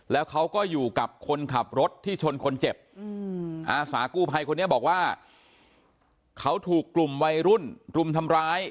แล้วเขาก็อยู่กับคนขับรถที่ชนคนเจ็บอาสากู้ภัยคนนี้บอกว่าเขาถูกกลุ่มวัยรุ่นรุมทำร้าย